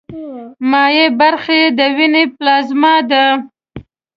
مایع برخه یې د ویني پلازما ده.